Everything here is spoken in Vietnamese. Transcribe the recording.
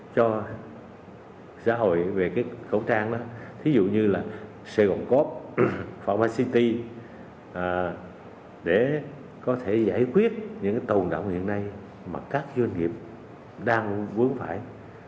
cho xã hội về cái khẩu trang đó ví dụ như là sài gòn coop fama city để có thể giải quyết những tồn động hiện nay mà các doanh nghiệp đang vướng phải